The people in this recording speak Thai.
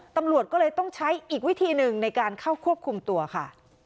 ตำรวจก็เลยต้องใช้อีกวิธีหนึ่งในการเข้าควบคุมตัวค่ะ